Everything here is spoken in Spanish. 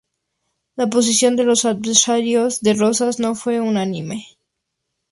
La posición de los adversarios de Rosas no fue unánime.